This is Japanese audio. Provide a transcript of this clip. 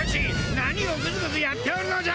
何をグズグズやっておるのじゃ！